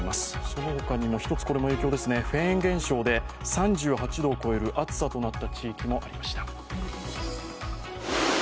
その他にも１つ、フェーン現象で３８度を超える暑さとなった地域もありました。